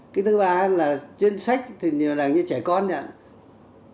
cái thứ ba là trên sách thì như là như trẻ con vậy ạ